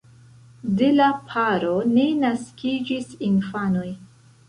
De la paro ne naskiĝis infanoj.